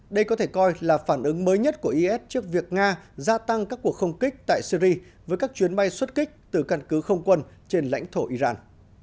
đây có thể coi là phản ứng mới nhất của is trước việc nga gia tăng các cuộc không kích tại syri với các chuyến bay xuất kích từ căn cứ không quân trên lãnh thổ iran